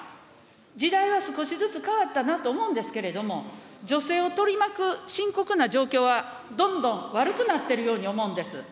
時代は少しずつ変わったなと思うんですけれども、女性を取り巻く深刻な状況はどんどん悪くなってるように思うんです。